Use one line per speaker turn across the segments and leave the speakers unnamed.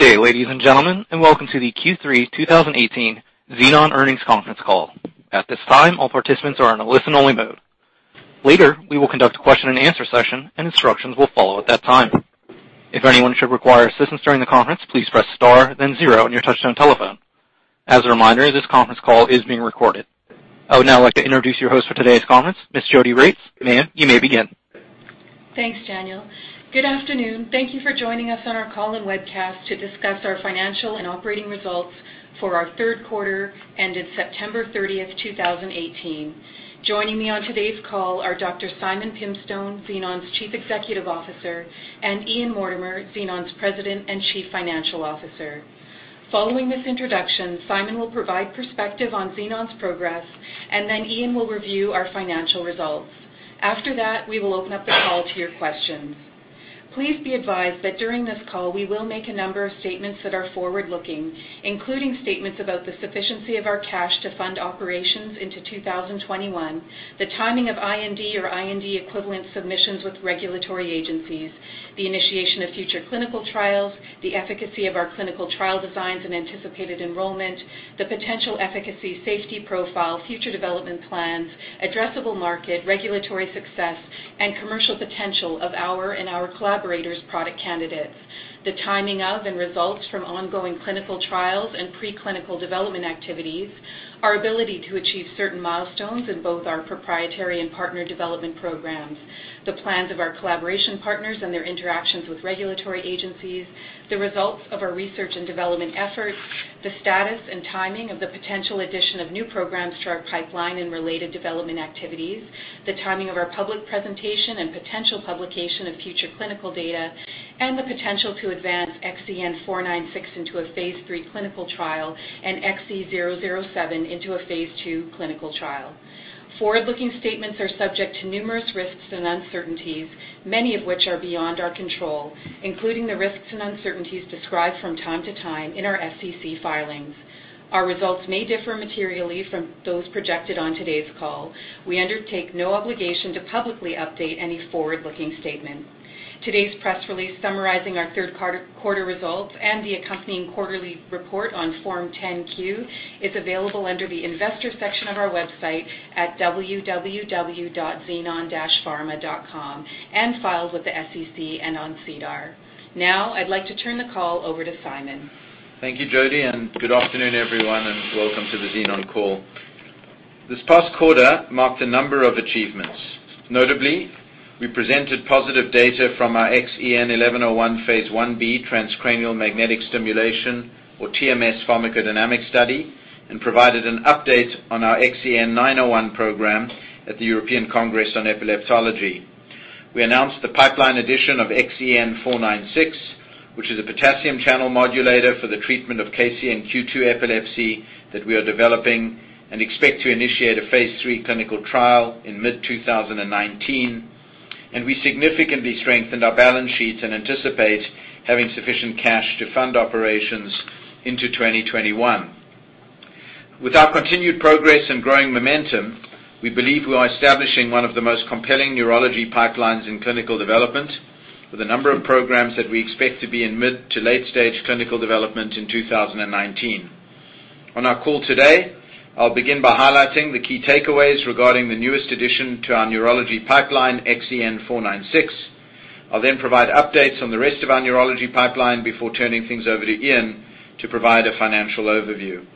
Good day, ladies and gentlemen, and welcome to the Q3 2018 Xenon earnings conference call. At this time, all participants are in a listen-only mode. Later, we will conduct a question and answer session, and instructions will follow at that time. If anyone should require assistance during the conference, please press star then zero on your touch-tone telephone. As a reminder, this conference call is being recorded. I would now like to introduce your host for today's conference, Ms. Jodi Regts. Ma'am, you may begin.
Thanks, Daniel. Good afternoon. Thank you for joining us on our call and webcast to discuss our financial and operating results for our third quarter ended September 30th, 2018. Joining me on today's call are Dr. Simon Pimstone, Xenon's Chief Executive Officer, and Ian Mortimer, Xenon's President and Chief Financial Officer. Following this introduction, Simon will provide perspective on Xenon's progress, and then Ian will review our financial results. After that, we will open up the call to your questions. Please be advised that during this call, we will make a number of statements that are forward-looking, including statements about the sufficiency of our cash to fund operations into 2021, the timing of IND or IND equivalent submissions with regulatory agencies, the initiation of future clinical trials, the efficacy of our clinical trial designs, and anticipated enrollment, the potential efficacy, safety profile, future development plans, addressable market, regulatory success, and commercial potential of our and our collaborators' product candidates, the timing of and results from ongoing clinical trials and preclinical development activities, our ability to achieve certain milestones in both our proprietary and partner development programs, the plans of our collaboration partners and their interactions with regulatory agencies, the results of our research and development efforts, the status and timing of the potential addition of new programs to our pipeline and related development activities, the timing of our public presentation and potential publication of future clinical data, and the potential to advance XEN496 into a phase III clinical trial and XEN007 into a phase II clinical trial. Forward-looking statements are subject to numerous risks and uncertainties, many of which are beyond our control, including the risks and uncertainties described from time to time in our SEC filings. Our results may differ materially from those projected on today's call. We undertake no obligation to publicly update any forward-looking statement. Today's press release summarizing our third quarter results and the accompanying quarterly report on Form 10-Q is available under the investor section of our website at www.xenon-pharma.com and filed with the SEC and on SEDAR. I'd like to turn the call over to Simon.
Thank you, Jodi, and good afternoon, everyone, and welcome to the Xenon call. This past quarter marked a number of achievements. Notably, we presented positive data from our XEN1101 phase I-B transcranial magnetic stimulation or TMS pharmacodynamic study and provided an update on our XEN901 program at the European Congress on Epileptology. We announced the pipeline addition of XEN496, which is a potassium channel modulator for the treatment of KCNQ2 epilepsy that we are developing and expect to initiate a phase III clinical trial in mid-2019. We significantly strengthened our balance sheet and anticipate having sufficient cash to fund operations into 2021. With our continued progress and growing momentum, we believe we are establishing one of the most compelling neurology pipelines in clinical development with a number of programs that we expect to be in mid- to late-stage clinical development in 2019. On our call today, I'll begin by highlighting the key takeaways regarding the newest addition to our neurology pipeline, XEN496. I'll then provide updates on the rest of our neurology pipeline before turning things over to Ian to provide a financial overview.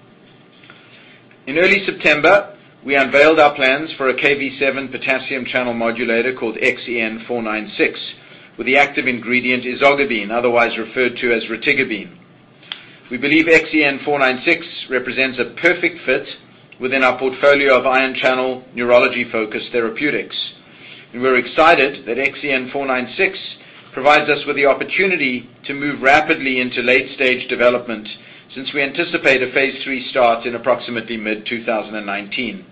In early September, we unveiled our plans for a KV7 potassium channel modulator called XEN496 with the active ingredient ezogabine, otherwise referred to as retigabine. We believe XEN496 represents a perfect fit within our portfolio of ion channel neurology-focused therapeutics. We're excited that XEN496 provides us with the opportunity to move rapidly into late-stage development since we anticipate a phase III start in approximately mid-2019.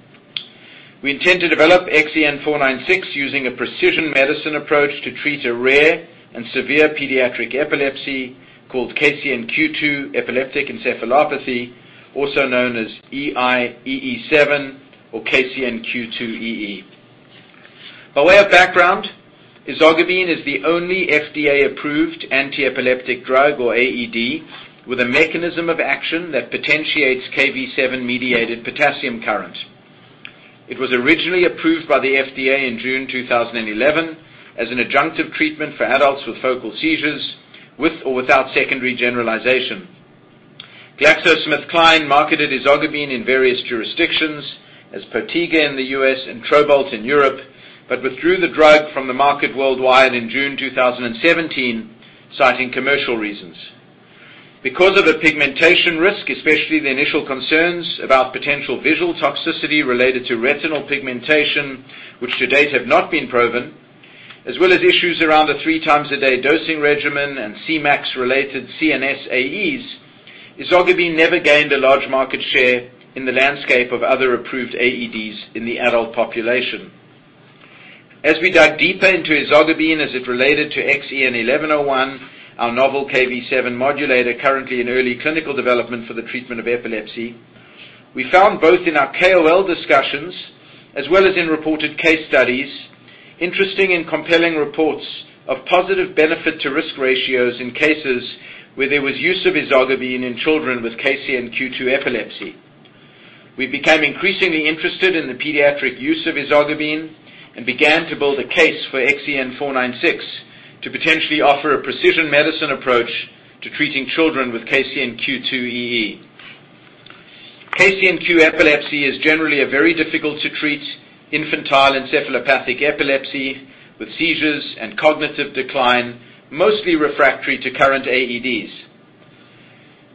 We intend to develop XEN496 using a precision medicine approach to treat a rare and severe pediatric epilepsy called KCNQ2 epileptic encephalopathy, also known as EIEE7 or KCNQ2-DEE. By way of background, ezogabine is the only FDA-approved anti-epileptic drug or AED with a mechanism of action that potentiates KV7-mediated potassium current. It was originally approved by the FDA in June 2011 as an adjunctive treatment for adults with focal seizures with or without secondary generalization. GlaxoSmithKline marketed ezogabine in various jurisdictions as Potiga in the U.S. and Trobalt in Europe, but withdrew the drug from the market worldwide in June 2017, citing commercial reasons. Because of the pigmentation risk, especially the initial concerns about potential visual toxicity related to retinal pigmentation, which to date have not been proven, as well as issues around the three times a day dosing regimen and Cmax-related CNS AEs, ezogabine never gained a large market share in the landscape of other approved AEDs in the adult population. As we dive deeper into ezogabine as it related to XEN1101, our novel KV7 modulator currently in early clinical development for the treatment of epilepsy. We found both in our KOL discussions as well as in reported case studies, interesting and compelling reports of positive benefit to risk ratios in cases where there was use of ezogabine in children with KCNQ2 epilepsy. We became increasingly interested in the pediatric use of ezogabine and began to build a case for XEN496 to potentially offer a precision medicine approach to treating children with KCNQ2-DEE. KCNQ2 epilepsy is generally a very difficult to treat infantile encephalopathic epilepsy with seizures and cognitive decline, mostly refractory to current AEDs.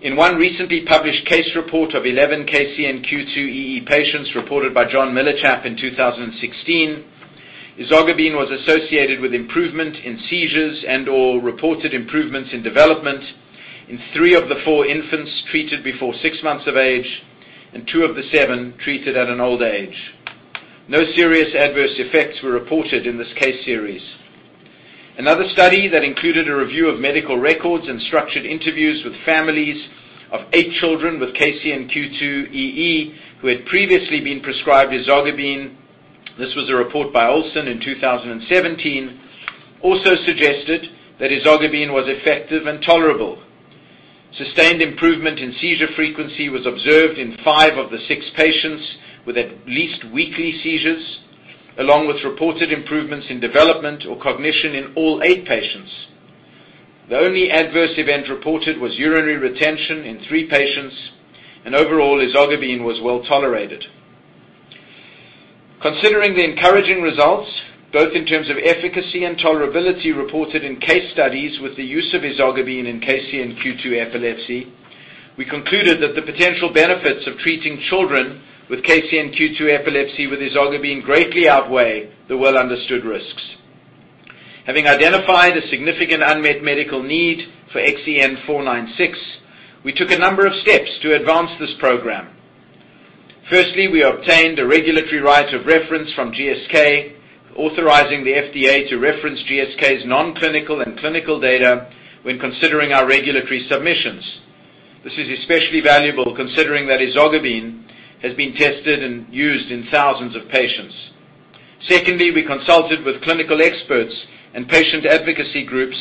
In one recently published case report of 11 KCNQ2EE patients reported by John Millichap in 2016, ezogabine was associated with improvement in seizures and/or reported improvements in development in three of the four infants treated before six months of age and two of the seven treated at an older age. No serious adverse effects were reported in this case series. Another study that included a review of medical records and structured interviews with families of eight children with KCNQ2EE who had previously been prescribed ezogabine, this was a report by Olson in 2017, also suggested that ezogabine was effective and tolerable. Sustained improvement in seizure frequency was observed in five of the six patients with at least weekly seizures, along with reported improvements in development or cognition in all eight patients. The only adverse event reported was urinary retention in three patients. Overall, ezogabine was well-tolerated. Considering the encouraging results, both in terms of efficacy and tolerability reported in case studies with the use of ezogabine in KCNQ2 epilepsy, we concluded that the potential benefits of treating children with KCNQ2 epilepsy with ezogabine greatly outweigh the well-understood risks. Having identified a significant unmet medical need for XEN496, we took a number of steps to advance this program. Firstly, we obtained a regulatory right of reference from GSK, authorizing the FDA to reference GSK's non-clinical and clinical data when considering our regulatory submissions. This is especially valuable considering that ezogabine has been tested and used in thousands of patients. Secondly, we consulted with clinical experts and patient advocacy groups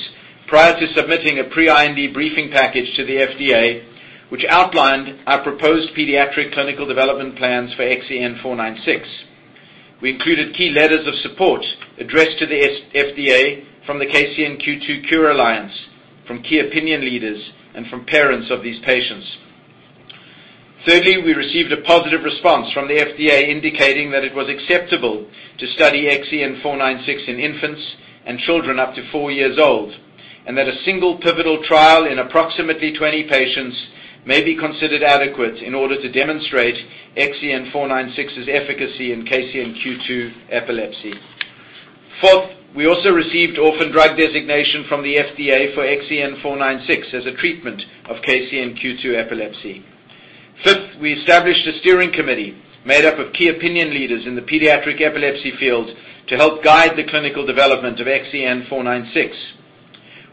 prior to submitting a pre-IND briefing package to the FDA, which outlined our proposed pediatric clinical development plans for XEN496. We included key letters of support addressed to the FDA from the KCNQ2 Cure Alliance, from key opinion leaders, and from parents of these patients. Thirdly, we received a positive response from the FDA indicating that it was acceptable to study XEN496 in infants and children up to four years old, that a single pivotal trial in approximately 20 patients may be considered adequate in order to demonstrate XEN496's efficacy in KCNQ2 epilepsy. Fourth, we also received orphan drug designation from the FDA for XEN496 as a treatment of KCNQ2 epilepsy. Fifth, we established a steering committee made up of key opinion leaders in the pediatric epilepsy field to help guide the clinical development of XEN496.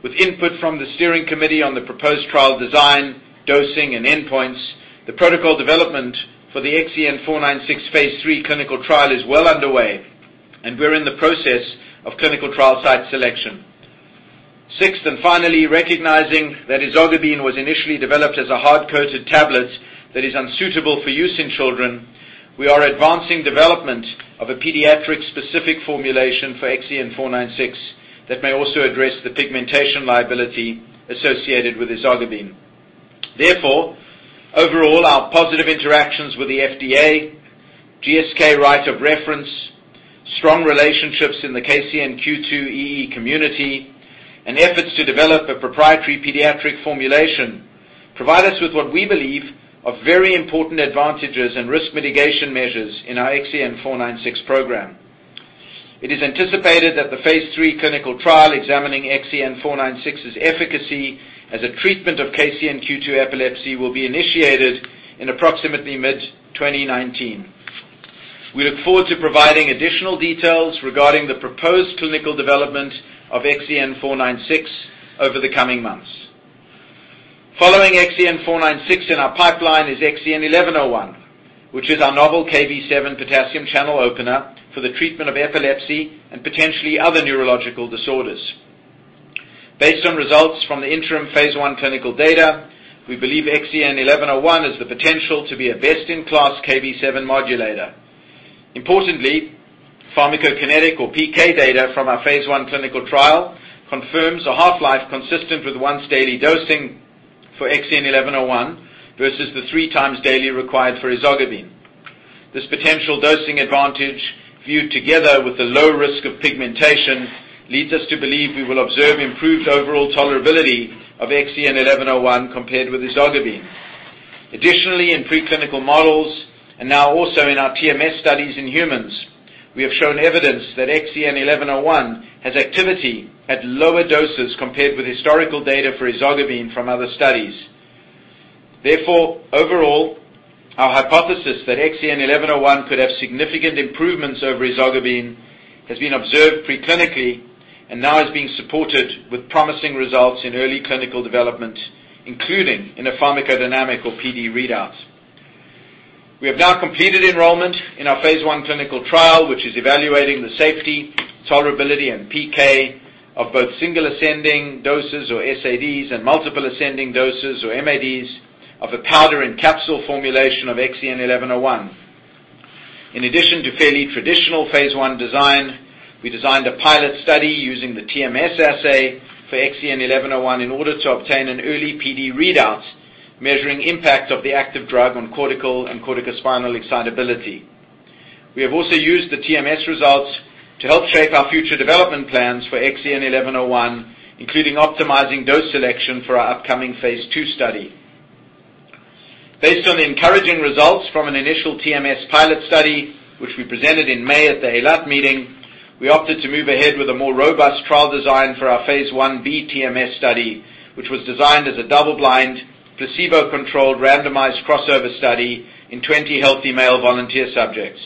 With input from the steering committee on the proposed trial design, dosing, and endpoints, the protocol development for the XEN496 phase III clinical trial is well underway. We're in the process of clinical trial site selection. Sixth, finally, recognizing that ezogabine was initially developed as a hard-coated tablet that is unsuitable for use in children, we are advancing development of a pediatric-specific formulation for XEN496 that may also address the pigmentation liability associated with ezogabine. Overall, our positive interactions with the FDA, GSK right of reference, strong relationships in the KCNQ2EE community, and efforts to develop a proprietary pediatric formulation provide us with what we believe are very important advantages and risk mitigation measures in our XEN496 program. It is anticipated that the phase III clinical trial examining XEN496's efficacy as a treatment of KCNQ2 epilepsy will be initiated in approximately mid-2019. We look forward to providing additional details regarding the proposed clinical development of XEN496 over the coming months. Following XEN496 in our pipeline is XEN1101, which is our novel KV7 potassium channel opener for the treatment of epilepsy and potentially other neurological disorders. Based on results from the interim phase I clinical data, we believe XEN1101 has the potential to be a best-in-class KV7 modulator. Importantly, pharmacokinetic or PK data from our phase I clinical trial confirms a half-life consistent with once-daily dosing for XEN1101 versus the 3 times daily required for ezogabine. This potential dosing advantage, viewed together with the low risk of pigmentation, leads us to believe we will observe improved overall tolerability of XEN1101 compared with ezogabine. Additionally, in pre-clinical models, and now also in our TMS studies in humans, we have shown evidence that XEN1101 has activity at lower doses compared with historical data for ezogabine from other studies. Therefore, overall, our hypothesis that XEN1101 could have significant improvements over ezogabine has been observed preclinically and now is being supported with promising results in early clinical development, including in a pharmacodynamic or PD readout. We have now completed enrollment in our phase I clinical trial, which is evaluating the safety, tolerability, and PK of both single ascending doses, or SADs, and multiple ascending doses, or MADs, of a powder and capsule formulation of XEN1101. In addition to fairly traditional phase I design, we designed a pilot study using the TMS assay for XEN1101 in order to obtain an early PD readout measuring impact of the active drug on cortical and corticospinal excitability. We have also used the TMS results to help shape our future development plans for XEN1101, including optimizing dose selection for our upcoming phase II study. Based on the encouraging results from an initial TMS pilot study, which we presented in May at the Eilat meeting, we opted to move ahead with a more robust trial design for our phase I-B TMS study, which was designed as a double-blind, placebo-controlled, randomized crossover study in 20 healthy male volunteer subjects.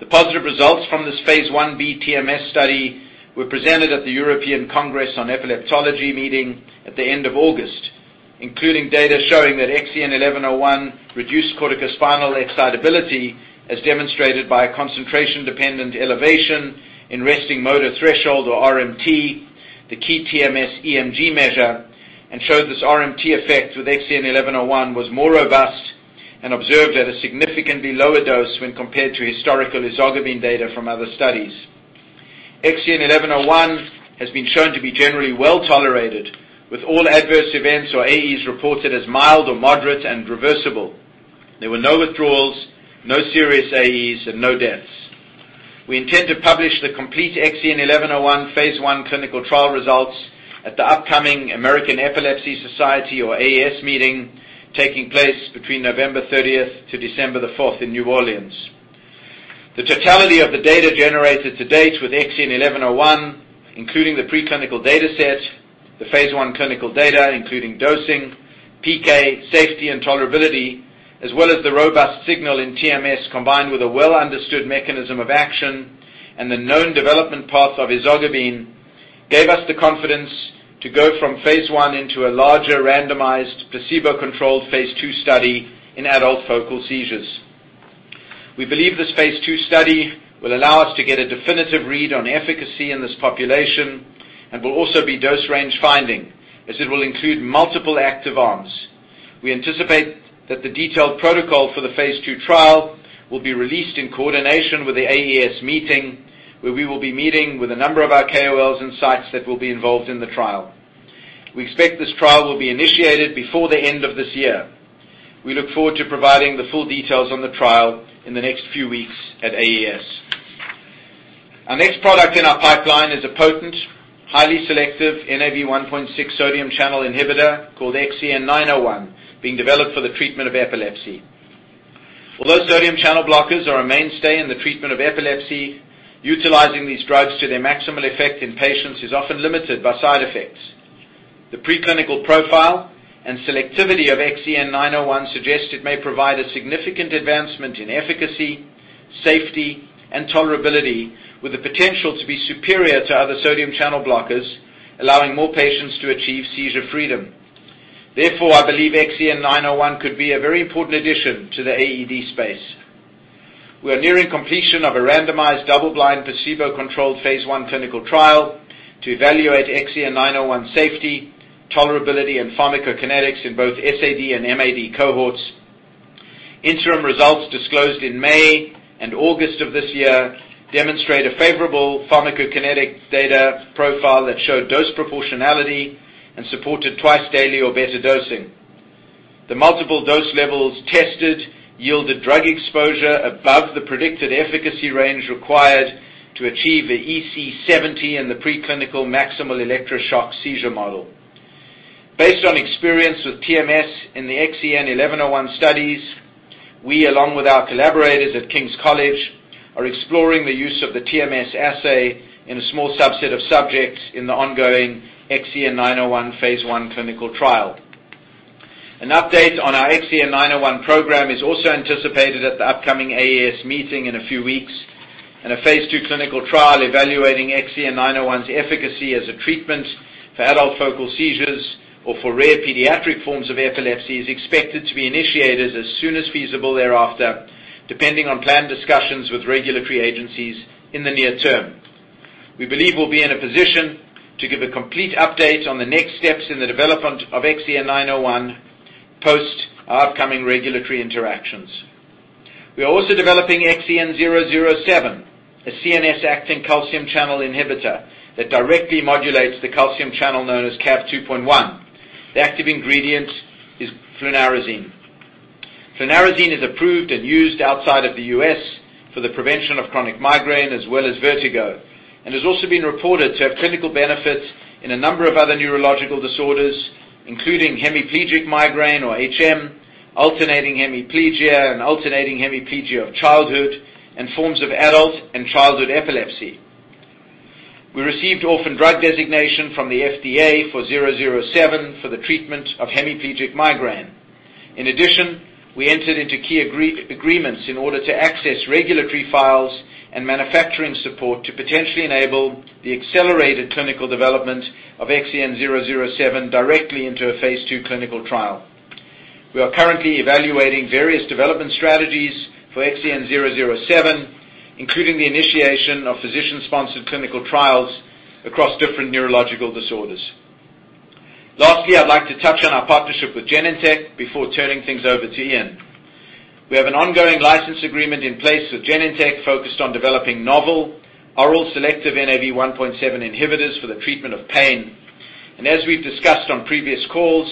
The positive results from this phase I-B TMS study were presented at the European Congress on Epileptology meeting at the end of August, including data showing that XEN1101 reduced corticospinal excitability as demonstrated by a concentration-dependent elevation in resting motor threshold, or RMT, the key TMS EMG measure, and showed this RMT effect with XEN1101 was more robust and observed at a significantly lower dose when compared to historical ezogabine data from other studies. XEN1101 has been shown to be generally well-tolerated, with all adverse events, or AEs, reported as mild or moderate and reversible. There were no withdrawals, no serious AEs, and no deaths. We intend to publish the complete XEN1101 phase I clinical trial results at the upcoming American Epilepsy Society, or AES, meeting taking place between November 30th to December the 4th in New Orleans. The totality of the data generated to date with XEN1101, including the preclinical data set, the phase I clinical data, including dosing, PK, safety, and tolerability, as well as the robust signal in TMS, combined with a well-understood mechanism of action and the known development path of ezogabine, gave us the confidence to go from phase I into a larger randomized, placebo-controlled phase II study in adult focal seizures. We believe this phase II study will allow us to get a definitive read on efficacy in this population and will also be dose range finding, as it will include multiple active arms. We anticipate that the detailed protocol for the phase II trial will be released in coordination with the AES meeting, where we will be meeting with a number of our KOLs and sites that will be involved in the trial. We expect this trial will be initiated before the end of this year. We look forward to providing the full details on the trial in the next few weeks at AES. Our next product in our pipeline is a potent, highly selective NaV1.6 sodium channel inhibitor called XEN901, being developed for the treatment of epilepsy. Although sodium channel blockers are a mainstay in the treatment of epilepsy, utilizing these drugs to their maximal effect in patients is often limited by side effects. The preclinical profile and selectivity of XEN901 suggest it may provide a significant advancement in efficacy, safety, and tolerability with the potential to be superior to other sodium channel blockers, allowing more patients to achieve seizure freedom. Therefore, I believe XEN901 could be a very important addition to the AED space. We are nearing completion of a randomized, double-blind, placebo-controlled phase I clinical trial to evaluate XEN901 safety, tolerability, and pharmacokinetics in both SAD and MAD cohorts. Interim results disclosed in May and August of this year demonstrate a favorable pharmacokinetic data profile that showed dose proportionality and supported twice-daily or better dosing. The multiple dose levels tested yielded drug exposure above the predicted efficacy range required to achieve an EC70 in the preclinical maximal electroshock seizure model. Based on experience with TMS in the XEN1101 studies, we, along with our collaborators at King's College, are exploring the use of the TMS assay in a small subset of subjects in the ongoing XEN901 phase I clinical trial. An update on our XEN901 program is also anticipated at the upcoming AES meeting in a few weeks, and a phase II clinical trial evaluating XEN901's efficacy as a treatment for adult focal seizures or for rare pediatric forms of epilepsy is expected to be initiated as soon as feasible thereafter, depending on planned discussions with regulatory agencies in the near term. We believe we'll be in a position to give a complete update on the next steps in the development of XEN901 post our upcoming regulatory interactions. We are also developing XEN007, a CNS acting calcium channel inhibitor that directly modulates the calcium channel known as Cav2.1. The active ingredient is flunarizine. Flunarizine is approved and used outside of the U.S. for the prevention of chronic migraine as well as vertigo, and has also been reported to have clinical benefits in a number of other neurological disorders, including hemiplegic migraine, or HM, alternating hemiplegia and alternating hemiplegia of childhood, and forms of adult and childhood epilepsy. We received orphan drug designation from the FDA for 007 for the treatment of hemiplegic migraine. In addition, we entered into key agreements in order to access regulatory files and manufacturing support to potentially enable the accelerated clinical development of XEN007 directly into a phase II clinical trial. We are currently evaluating various development strategies for XEN007, including the initiation of physician-sponsored clinical trials across different neurological disorders. I'd like to touch on our partnership with Genentech before turning things over to Ian. We have an ongoing license agreement in place with Genentech focused on developing novel oral selective NaV1.7 inhibitors for the treatment of pain. As we've discussed on previous calls,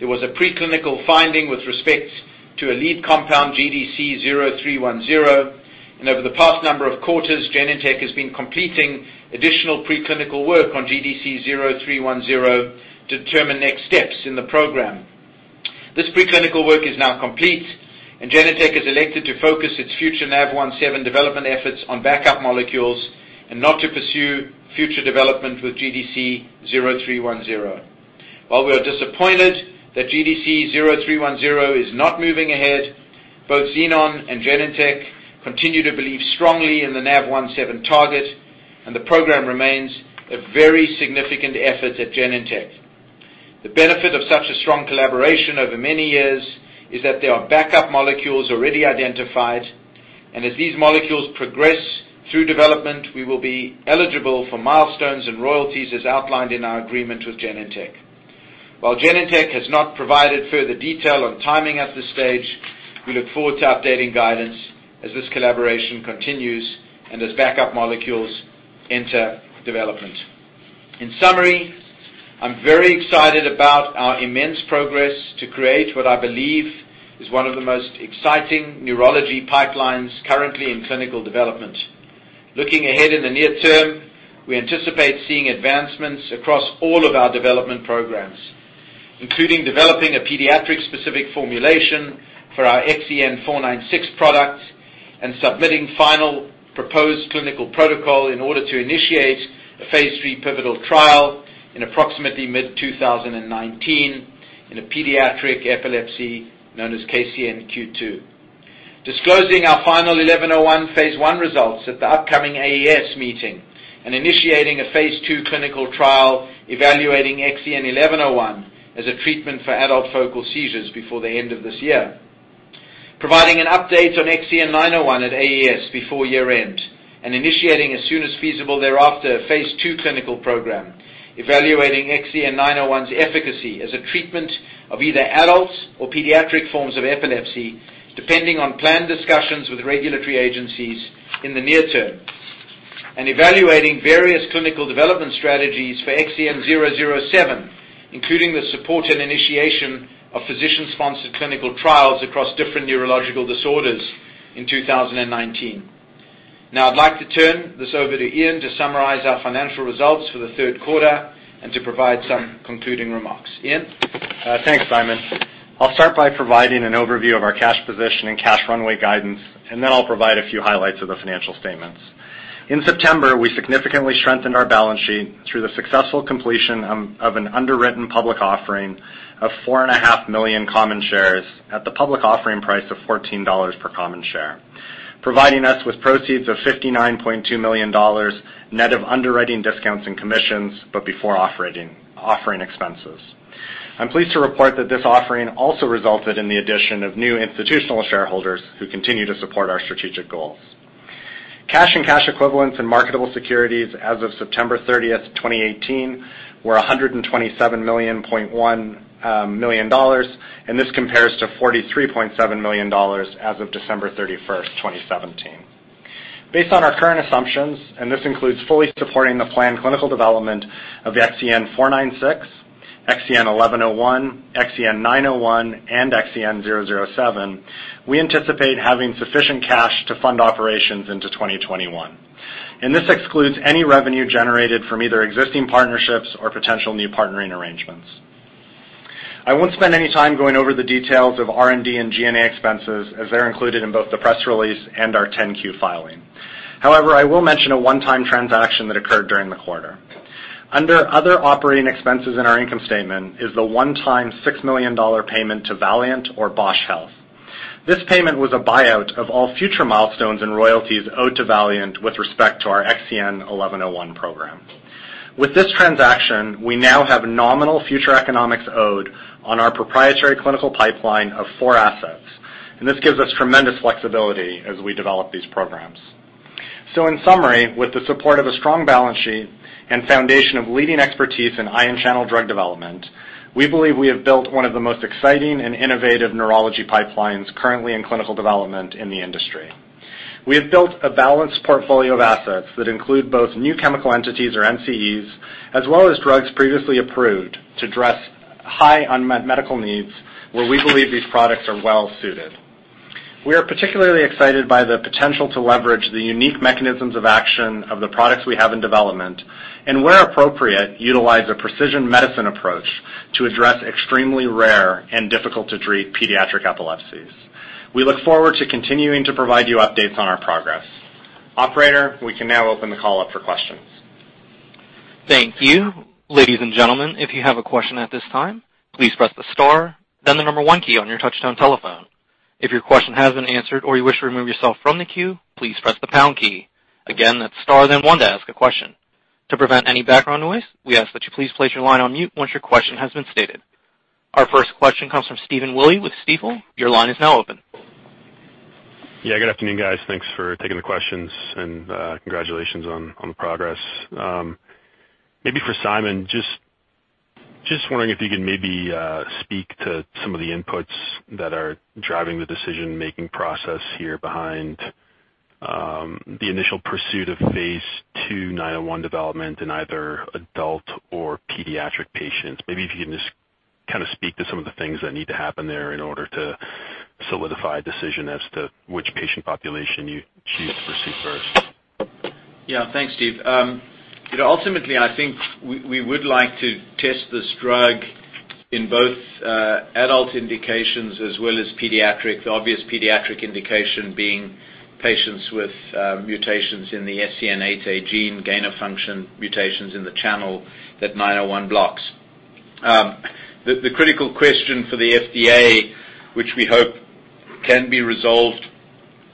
there was a preclinical finding with respect to a lead compound, GDC0310. Over the past number of quarters, Genentech has been completing additional preclinical work on GDC0310 to determine next steps in the program. This preclinical work is now complete, and Genentech has elected to focus its future NaV1.7 development efforts on backup molecules and not to pursue future development with GDC0310. While we are disappointed that GDC0310 is not moving ahead, both Xenon and Genentech continue to believe strongly in the NaV1.7 target, and the program remains a very significant effort at Genentech. The benefit of such a strong collaboration over many years is that there are backup molecules already identified, and as these molecules progress through development, we will be eligible for milestones and royalties as outlined in our agreement with Genentech. While Genentech has not provided further detail on timing at this stage, we look forward to updating guidance as this collaboration continues and as backup molecules enter development. In summary, I'm very excited about our immense progress to create what I believe is one of the most exciting neurology pipelines currently in clinical development. Looking ahead in the near term, we anticipate seeing advancements across all of our development programs. Including developing a pediatric-specific formulation for our XEN496 product and submitting final proposed clinical protocol in order to initiate a phase III pivotal trial in approximately mid-2019 in a pediatric epilepsy known as KCNQ2. Disclosing our final 1101 phase I results at the upcoming AES meeting and initiating a phase II clinical trial evaluating XEN1101 as a treatment for adult focal seizures before the end of this year. Providing an update on XEN901 at AES before year-end, initiating as soon as feasible thereafter a phase II clinical program evaluating XEN901's efficacy as a treatment of either adults or pediatric forms of epilepsy, depending on planned discussions with regulatory agencies in the near term. Evaluating various clinical development strategies for XEN007, including the support and initiation of physician-sponsored clinical trials across different neurological disorders in 2019. I'd like to turn this over to Ian to summarize our financial results for the third quarter and to provide some concluding remarks. Ian?
Thanks, Simon. I'll start by providing an overview of our cash position and cash runway guidance. I'll provide a few highlights of the financial statements. In September, we significantly strengthened our balance sheet through the successful completion of an underwritten public offering of four and a half million common shares at the public offering price of $14 per common share, providing us with proceeds of $59.2 million net of underwriting discounts and commissions, before offering expenses. I'm pleased to report that this offering also resulted in the addition of new institutional shareholders who continue to support our strategic goals. Cash and cash equivalents and marketable securities as of September 30th, 2018 were $127.1 million. This compares to $43.7 million as of December 31st, 2017. Based on our current assumptions, this includes fully supporting the planned clinical development of XEN496, XEN1101, XEN901, and XEN007, we anticipate having sufficient cash to fund operations into 2021. This excludes any revenue generated from either existing partnerships or potential new partnering arrangements. I won't spend any time going over the details of R&D and G&A expenses, as they're included in both the press release and our 10-Q filing. However, I will mention a one-time transaction that occurred during the quarter. Under other operating expenses in our income statement is the one-time $6 million payment to Valeant or Bausch Health. This payment was a buyout of all future milestones and royalties owed to Valeant with respect to our XEN1101 program. With this transaction, we now have nominal future economics owed on our proprietary clinical pipeline of four assets. This gives us tremendous flexibility as we develop these programs. In summary, with the support of a strong balance sheet and foundation of leading expertise in ion channel drug development, we believe we have built one of the most exciting and innovative neurology pipelines currently in clinical development in the industry. We have built a balanced portfolio of assets that include both new chemical entities, or NCEs, as well as drugs previously approved to address high unmet medical needs where we believe these products are well suited. We are particularly excited by the potential to leverage the unique mechanisms of action of the products we have in development, where appropriate, utilize a precision medicine approach to address extremely rare and difficult-to-treat pediatric epilepsies. We look forward to continuing to provide you updates on our progress. Operator, we can now open the call up for questions.
Thank you. Ladies and gentlemen, if you have a question at this time, please press the star, then the number 1 key on your touch-tone telephone. If your question has been answered or you wish to remove yourself from the queue, please press the pound key. Again, that's star, then 1 to ask a question. To prevent any background noise, we ask that you please place your line on mute once your question has been stated. Our first question comes from Stephen Willey with Stifel. Your line is now open.
Good afternoon, guys. Thanks for taking the questions and congratulations on the progress. Maybe for Simon, just wondering if you could maybe speak to some of the inputs that are driving the decision-making process here behind the initial pursuit of phase II-901 development in either adult or pediatric patients. Maybe if you can just speak to some of the things that need to happen there in order to solidify a decision as to which patient population you choose to pursue first.
Thanks, Steve. Ultimately, I think we would like to test this drug in both adult indications as well as pediatric. The obvious pediatric indication being patients with mutations in the SCN8A gene gain-of-function mutations in the channel that 901 blocks. The critical question for the FDA, which we hope can be resolved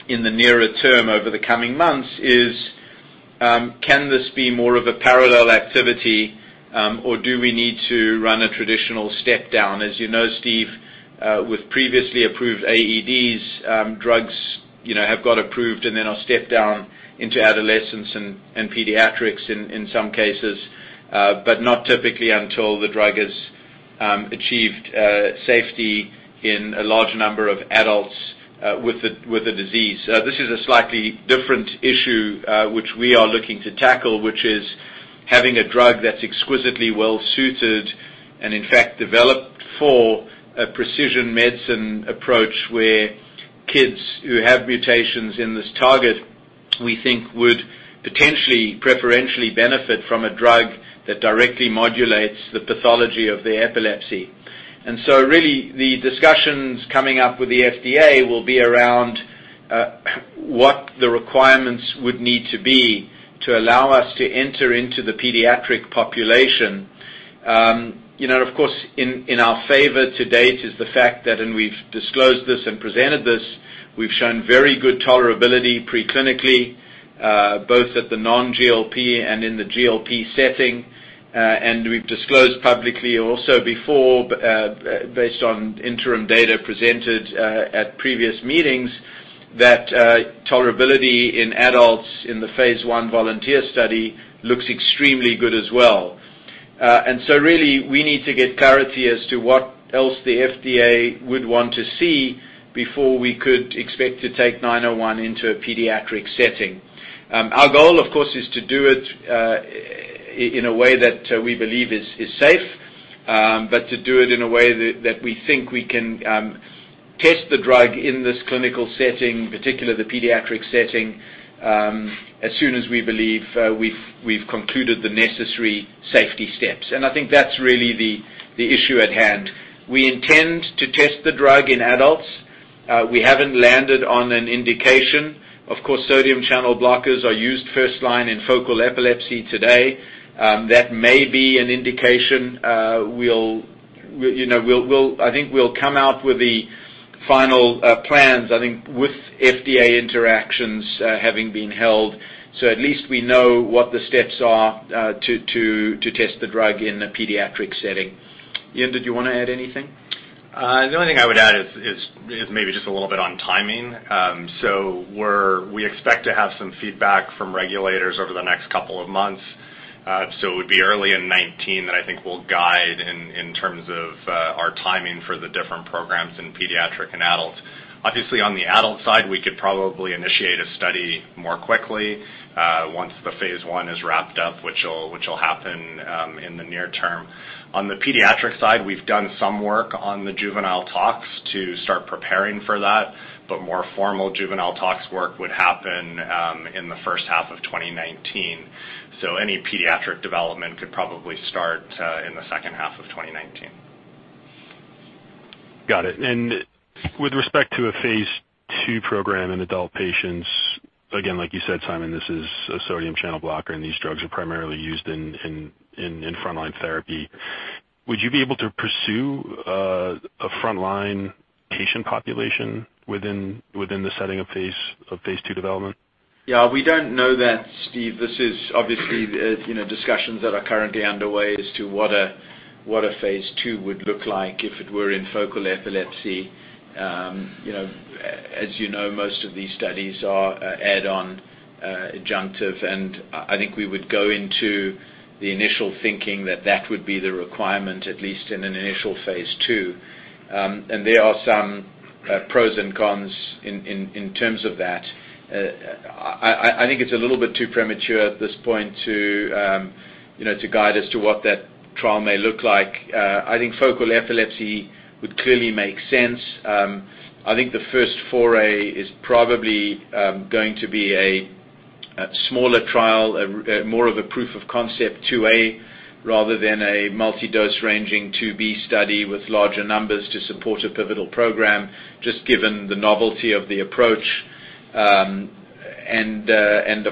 in the nearer term over the coming months, is can this be more of a parallel activity or do we need to run a traditional step down? As you know, Steve, with previously approved AEDs, drugs have got approved and then are stepped down into adolescence and pediatrics in some cases, but not typically until the drug has achieved safety in a large number of adults with the disease. This is a slightly different issue which we are looking to tackle, which is having a drug that's exquisitely well-suited and in fact developed for a precision medicine approach where kids who have mutations in this target we think would potentially preferentially benefit from a drug that directly modulates the pathology of the epilepsy. Really, the discussions coming up with the FDA will be around what the requirements would need to be to allow us to enter into the pediatric population. Of course, in our favor to date is the fact that, and we've disclosed this and presented this, we've shown very good tolerability pre-clinically both at the non-GLP and in the GLP setting. We've disclosed publicly also before based on interim data presented at previous meetings that tolerability in adults in the phase I volunteer study looks extremely good as well. Really, we need to get clarity as to what else the FDA would want to see before we could expect to take XEN901 into a pediatric setting. Our goal, of course, is to do it in a way that we believe is safe, but to do it in a way that we think we can test the drug in this clinical setting, particularly the pediatric setting, as soon as we believe we've concluded the necessary safety steps. I think that's really the issue at hand. We intend to test the drug in adults. We haven't landed on an indication. Of course, sodium channel blockers are used first-line in focal epilepsy today. That may be an indication. I think we'll come out with the final plans with FDA interactions having been held. At least we know what the steps are to test the drug in a pediatric setting. Ian, did you want to add anything?
The only thing I would add is maybe just a little bit on timing. We expect to have some feedback from regulators over the next couple of months. It would be early in 2019 that I think we'll guide in terms of our timing for the different programs in pediatric and adult. Obviously, on the adult side, we could probably initiate a study more quickly once the phase I is wrapped up, which will happen in the near term. On the pediatric side, we've done some work on the juvenile talks to start preparing for that, but more formal juvenile talks work would happen in the first half of 2019. Any pediatric development could probably start in the second half of 2019.
Got it. With respect to a phase II program in adult patients, again, like you said, Simon, this is a sodium channel blocker, and these drugs are primarily used in first-line therapy. Would you be able to pursue a first-line patient population within the setting of phase II development?
We don't know that, Steve. This is obviously discussions that are currently underway as to what a phase II would look like if it were in focal epilepsy. As you know, most of these studies are add-on adjunctive, and I think we would go into the initial thinking that that would be the requirement, at least in an initial phase II. There are some pros and cons in terms of that. I think it's a little bit too premature at this point to guide us to what that trial may look like. I think focal epilepsy would clearly make sense. I think the first foray is probably going to be a smaller trial, more of a proof of concept phase II-A rather than a multi-dose ranging phase II-B study with larger numbers to support a pivotal program, just given the novelty of the approach. Of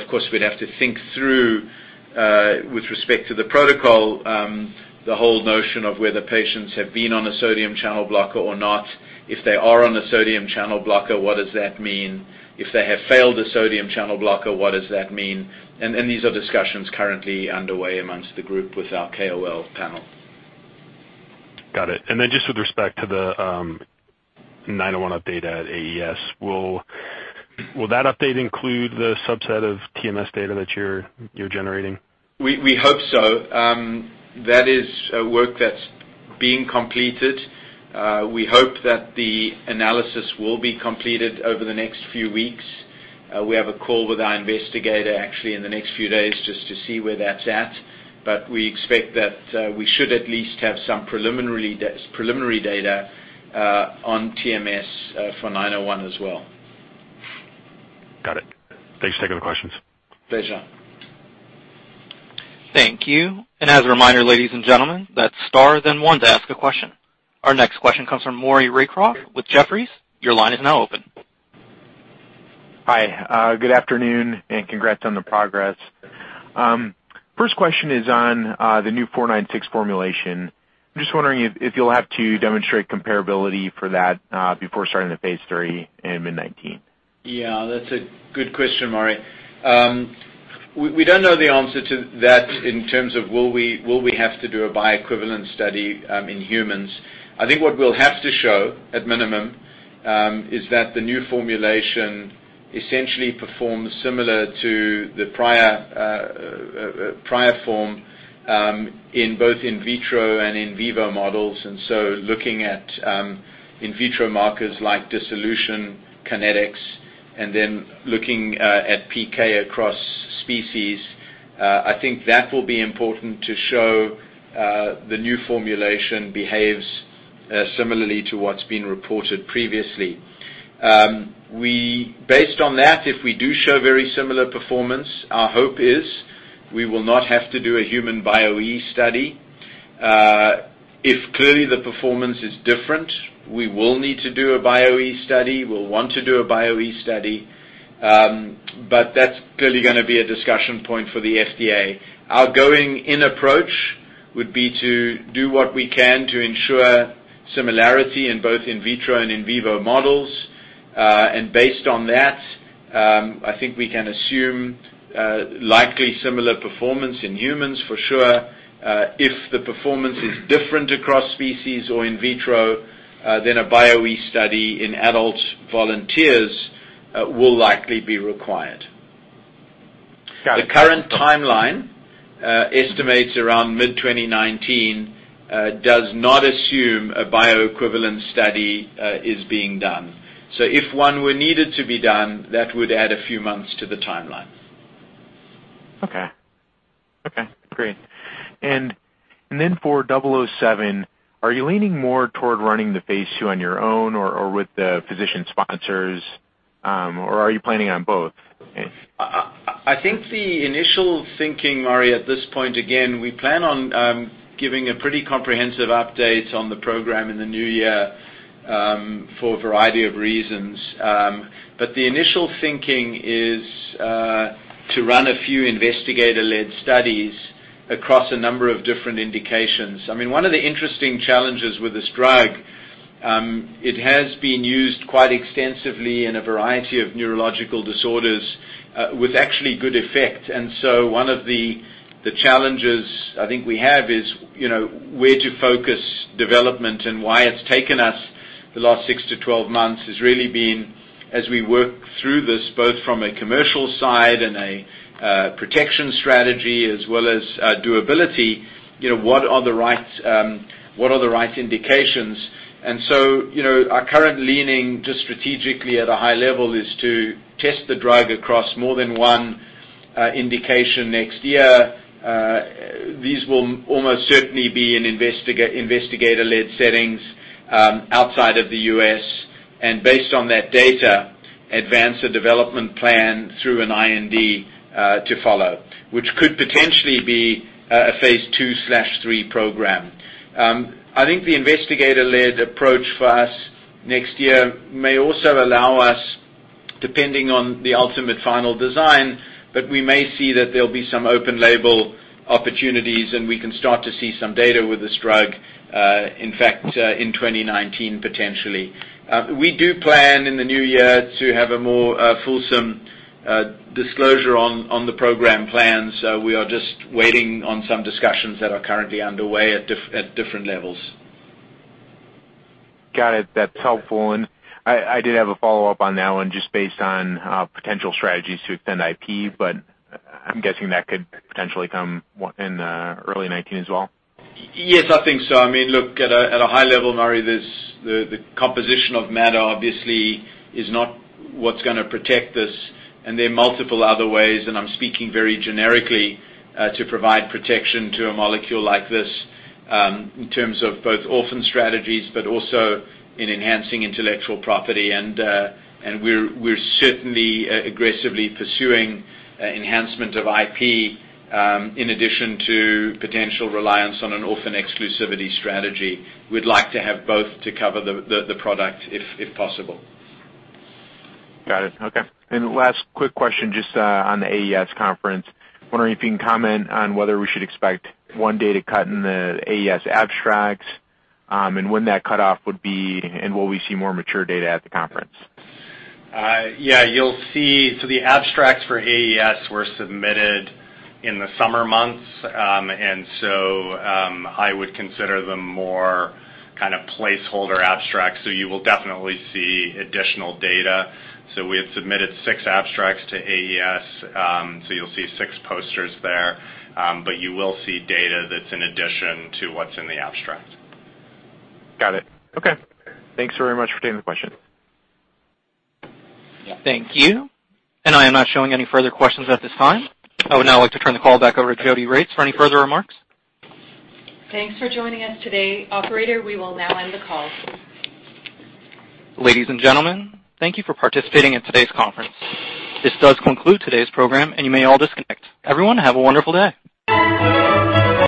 course, we'd have to think through, with respect to the protocol, the whole notion of whether patients have been on a sodium channel blocker or not. If they are on a sodium channel blocker, what does that mean? If they have failed a sodium channel blocker, what does that mean? These are discussions currently underway amongst the group with our KOL panel.
Got it. Just with respect to the 901 update at AES, will that update include the subset of TMS data that you're generating?
We hope so. That is work that's being completed. We hope that the analysis will be completed over the next few weeks. We have a call with our investigator actually in the next few days just to see where that's at. We expect that we should at least have some preliminary data on TMS for 901 as well.
Got it. Thanks. Take out the questions.
Pleasure.
Thank you. As a reminder, ladies and gentlemen, that's star then one to ask a question. Our next question comes from Maury Raycroft with Jefferies. Your line is now open.
Hi. Good afternoon, congrats on the progress. First question is on the new 496 formulation. I'm just wondering if you'll have to demonstrate comparability for that before starting the phase III in mid 2019.
Yeah, that's a good question, Maury. We don't know the answer to that in terms of will we have to do a Bioequivalence study in humans. I think what we'll have to show, at minimum, is that the new formulation essentially performs similar to the prior form in both in vitro and in vivo models. Looking at in vitro markers like dissolution kinetics and then looking at PK across species, I think that will be important to show the new formulation behaves similarly to what's been reported previously. Based on that, if we do show very similar performance, our hope is we will not have to do a human Bioequivalence study. If clearly the performance is different, we will need to do a Bioequivalence study. We'll want to do a Bioequivalence study. That's clearly gonna be a discussion point for the FDA. Our going-in approach would be to do what we can to ensure similarity in both in vitro and in vivo models. Based on that, I think we can assume likely similar performance in humans for sure. If the performance is different across species or in vitro, a Bioequivalence study in adult volunteers will likely be required.
Got it.
The current timeline estimates around mid 2019 does not assume a bioequivalent study is being done. If one were needed to be done, that would add a few months to the timeline.
Okay. Great. For double oh seven, are you leaning more toward running the phase II on your own or with the physician sponsors? Are you planning on both?
I think the initial thinking, Maury, at this point, again, we plan on giving a pretty comprehensive update on the program in the new year, for a variety of reasons. The initial thinking is to run a few investigator-led studies across a number of different indications. One of the interesting challenges with this drug, it has been used quite extensively in a variety of neurological disorders with actually good effect. One of the challenges I think we have is where to focus development and why it's taken us the last 6 to 12 months has really been as we work through this, both from a commercial side and a protection strategy as well as durability, what are the right indications. Our current leaning just strategically at a high level is to test the drug across more than one indication next year. These will almost certainly be in investigator-led settings outside of the U.S. Based on that data, advance a development plan through an IND to follow, which could potentially be a phase II/III program. I think the investigator-led approach for us next year may also allow us, depending on the ultimate final design, but we may see that there'll be some open label opportunities, and we can start to see some data with this drug, in fact, in 2019, potentially. We do plan in the new year to have a more fulsome disclosure on the program plans. We are just waiting on some discussions that are currently underway at different levels.
Got it. That's helpful. I did have a follow-up on that one just based on potential strategies to extend IP, but I'm guessing that could potentially come in early 2019 as well.
Yes, I think so. Look, at a high level, Maury, the composition of matter obviously is not what's gonna protect us, there are multiple other ways, and I'm speaking very generically, to provide protection to a molecule like this, in terms of both orphan strategies, also in enhancing intellectual property. We're certainly aggressively pursuing enhancement of IP, in addition to potential reliance on an orphan exclusivity strategy. We'd like to have both to cover the product if possible.
Got it. Okay. Last quick question, just on the AES conference. Wondering if you can comment on whether we should expect one data cut in the AES abstracts, and when that cutoff would be, and will we see more mature data at the conference?
Yeah. The abstracts for AES were submitted in the summer months. I would consider them more placeholder abstracts. You will definitely see additional data. We have submitted six abstracts to AES, you'll see six posters there. You will see data that's in addition to what's in the abstract.
Got it. Okay. Thanks very much for taking the question.
Yeah. Thank you. I am not showing any further questions at this time. I would now like to turn the call back over to Jodi Regts for any further remarks.
Thanks for joining us today. Operator, we will now end the call.
Ladies and gentlemen, thank you for participating in today's conference. This does conclude today's program, and you may all disconnect. Everyone, have a wonderful day.